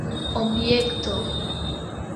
objekto